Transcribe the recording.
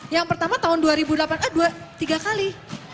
yang pertama tahun dua ribu delapan kan tiga kali